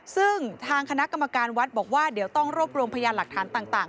ซึ่งทางคณะกรรมการวัดบอกว่าเดี๋ยวต้องรวบรวมพยานหลักฐานต่าง